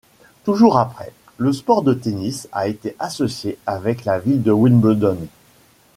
Toujours après, le sport de tennis a été associé avec la ville de Wimbledon.